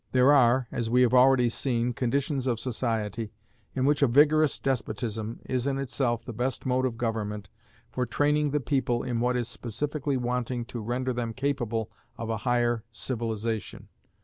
There are, as we have already seen, conditions of society in which a vigorous despotism is in itself the best mode of government for training the people in what is specifically wanting to render them capable of a higher civilization.